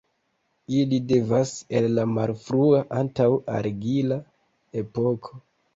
Ili devenas el la malfrua, antaŭ-argila epoko.